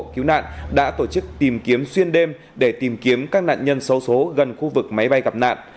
cứu nạn đã tổ chức tìm kiếm xuyên đêm để tìm kiếm các nạn nhân sâu xố gần khu vực máy bay gặp nạn